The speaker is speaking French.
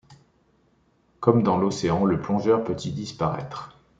Comme dans l’océan, le plongeur peut y disparaître.